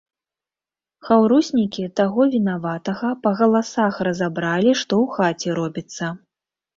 Хаўруснікі таго вінаватага па галасах разабралі, што ў хаце робіцца.